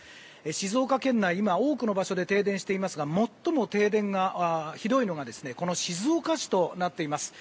静岡県内、今多くの場所で停電していますが最も停電がひどいのはこの静岡市となっています。